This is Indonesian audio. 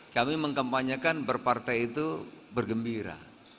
kami mengkampanyekan berpartai itu bergembira